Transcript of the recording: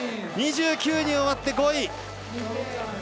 ２９人終わって５位。